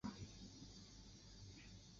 巴亭郡是越南首都河内市下辖的一个郡。